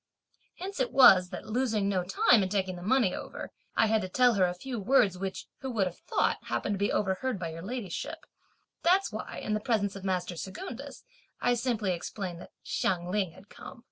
Hence it was that, losing no time in taking the money over, I had to tell her a few words which, who would have thought, happened to be overheard by your ladyship; that's why, in the presence of master Secundus, I simply explained that Hsiang Ling had come!"